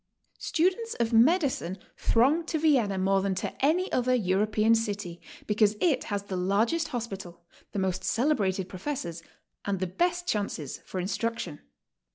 Students of medicine throng to Vienna more than to any other European city, because it has the largest hospital, the most celebrated professor's, and the best chances for instruc tion.